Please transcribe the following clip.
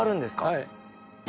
はい。